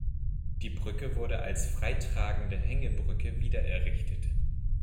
Die Brücke wurde als freitragende Hängebrücke wiedererrichtet.